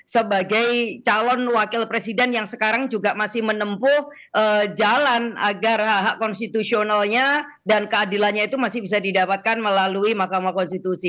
sebagai calon wakil presiden yang sekarang juga masih menempuh jalan agar hak hak konstitusionalnya dan keadilannya itu masih bisa didapatkan melalui mahkamah konstitusi